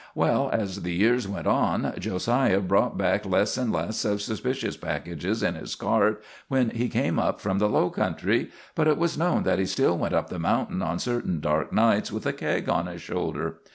Well, as the years went on, Jo siah brought back less and less of suspicious packages in his cart when he came up from the low country; but it was known that he still went up the mountain on certain dark nights with a keg on his shoulder.